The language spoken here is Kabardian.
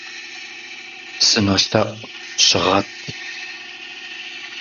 Сынолъэӏу, щыгъэт.